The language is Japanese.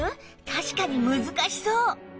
確かに難しそう